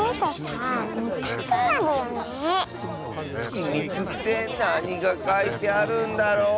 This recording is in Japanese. ひみつってなにがかいてあるんだろう？